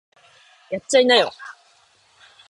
やっちゃいなよ